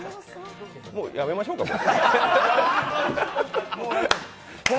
もうやめましょうか、これ。